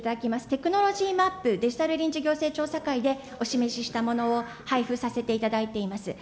テクノロジーマップ、デジタル臨時行政調査会でお示ししたものを配付させていただいています。